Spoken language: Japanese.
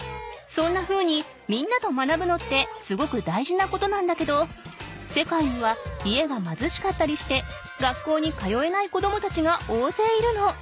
そんなふうにみんなと学ぶのってすごく大事なことなんだけど世界には家がまずしかったりして学校に通えない子どもたちがおおぜいいるの。